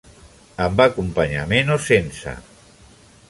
Amb acompanyament o sense.